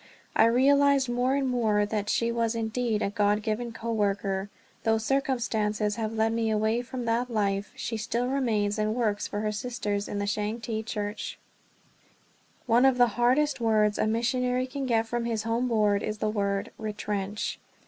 I realized more and more that she was indeed a God given co worker. Though circumstances have led me away from that life, she still remains and works for her sisters in the Changte Church. One of the hardest words a missionary can get from his Home Board is the word "retrench."